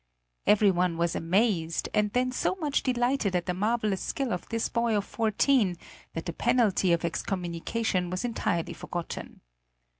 Every one was amazed, and then so much delighted at the marvelous skill of this boy of fourteen that the penalty of excommunication was entirely forgotten.